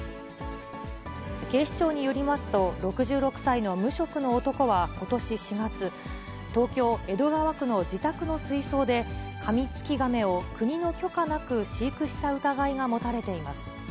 警視庁によりますと、６６歳の無職の男はことし４月、東京・江戸川区の自宅の水槽で、カミツキガメを国の許可なく飼育した疑いが持たれています。